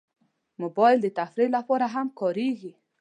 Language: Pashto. موبایل د تفریح لپاره هم کارېږي.